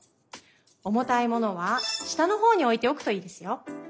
おもたいものはしたのほうにおいておくといいですよ。